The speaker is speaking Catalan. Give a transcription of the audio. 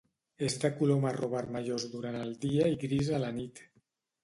És de color marró vermellós durant el dia i gris a la nit.